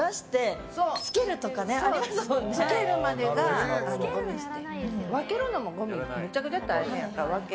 つけるまでがゴミ捨て。